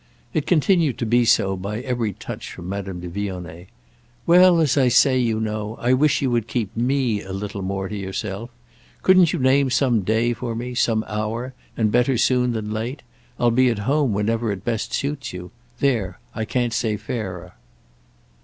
It continued to be so by every touch from Madame de Vionnet. "Well, as I say, you know, I wish you would keep me a little more to yourself. Couldn't you name some day for me, some hour—and better soon than late? I'll be at home whenever it best suits you. There—I can't say fairer."